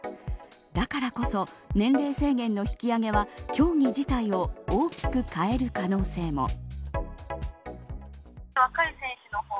だからこそ年齢制限の引き上げは競技自体を大きく変える可能性も。